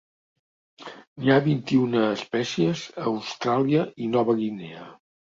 N'hi ha vint-i-una espècies a Austràlia i Nova Guinea.